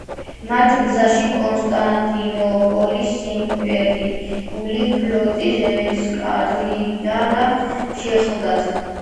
მათ გზაში კონსტანტინოპოლის საიმპერიო ფლოტის ესკადრილია შეხვდათ.